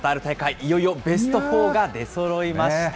いよいよベストフォーが出そろいました。